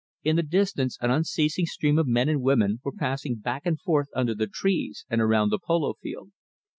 In the distance, an unceasing stream of men and women were passing back and forth under the trees and around the polo field.